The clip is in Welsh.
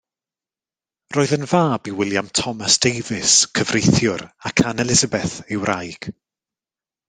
Roedd yn fab i William Thomas Davies, cyfreithiwr, ac Anne Elizabeth ei wraig.